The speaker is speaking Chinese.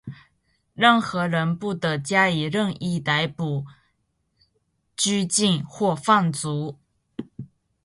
任何人不得加以任意逮捕、拘禁或放逐。